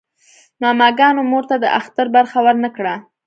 ماماګانو مور ته د اختر برخه ورنه کړه.